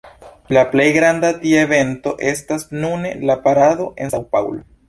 La plej granda tia evento estas nune la parado en San-Paŭlo.